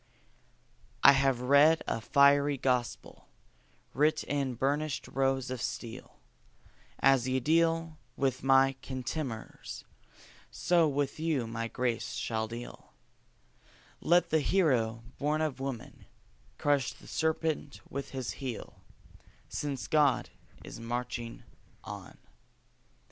I have read a fiery gospel, writ in burnished rows of steel: "As ye deal with my contemners, so with you my grace shall deal; Let the Hero, born of woman, crush the serpent with his heel, Since God is marching on."